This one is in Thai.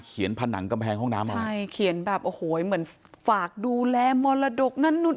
ผนังกำแพงห้องน้ำออกมาใช่เขียนแบบโอ้โหเหมือนฝากดูแลมรดกนั่นนู่น